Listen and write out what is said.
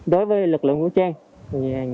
đối với lực lượng vũ trang